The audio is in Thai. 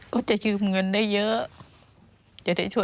ก็จะยืมเงินได้เยอะ